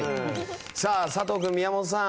佐藤君、宮本さん